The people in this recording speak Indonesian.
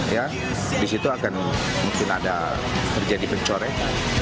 ya di situ akan mungkin ada terjadi pencorekan